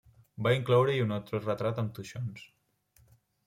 Va incloure-hi un autoretrat amb toixons.